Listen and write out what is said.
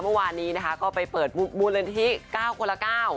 เมื่อวานนี้นะคะก็ไปเปิดมูลนิธิ๙คนละ๙